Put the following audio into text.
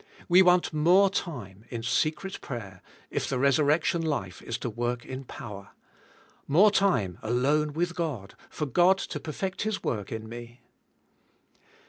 We want more time in se ' cret prayer if the resurrection life is to work in power; more time alone with God for God to perfect His work in me.